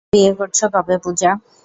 তুমি বিয়ে করছো কবে, পূজা?